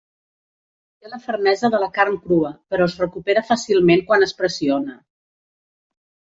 Té la fermesa de la carn crua però es recupera fàcilment quan es pressiona.